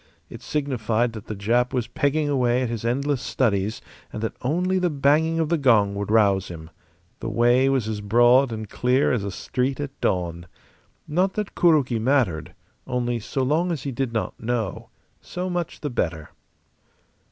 It signified that the Jap was pegging away at his endless studies and that only the banging of the gong would rouse him. The way was as broad and clear as a street at dawn. Not that Kuroki mattered; only so long as he did not know, so much the better.